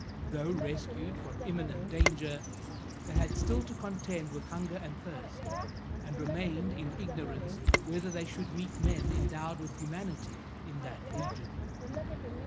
Though rescued from imminent danger, they had still to contend with hunger and thirst, and remained in ignorance whether they should meet men endowed with humanity in that region.